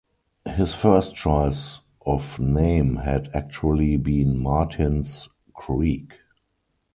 His first choice of name had actually been Martins Creek.